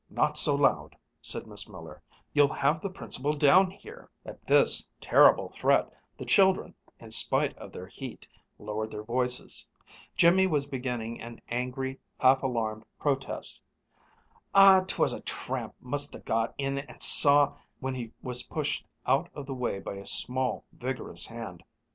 Not so loud!" said Miss Miller. "You'll have the Principal down here!" At this terrible threat the children, in spite of their heat, lowered their voices. Jimmy was beginning an angry, half alarmed protest "Aw, 'twas a tramp must ha' got in an' saw " when he was pushed out of the way by a small, vigorous hand.